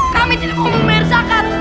kami tidak mau membayar zakat